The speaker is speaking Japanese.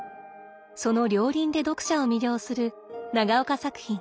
その両輪で読者を魅了する長岡作品。